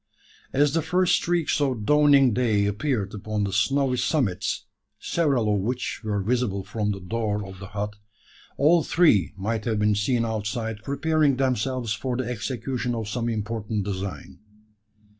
As the first streaks of dawning day appeared upon the snowy summits several of which were visible from the door of the hut all three might have been seen outside preparing themselves for the execution of some important design.